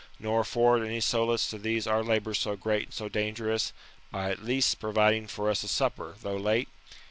nor afford any solace to these our labours so great and so dangerous, by at least providing for us a supper, though late?